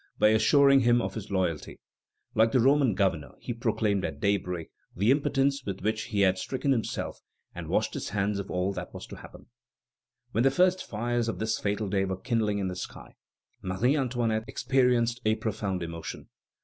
by assuring him of his loyalty; like the Roman governor, he proclaimed at daybreak the impotence with which he had stricken himself, and washed his hands of all that was to happen." When the first fires of this fatal day were kindling in the sky, Marie Antoinette experienced a profound emotion.